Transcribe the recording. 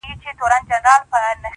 چي تل نوي کفن کښ یو زورولي؛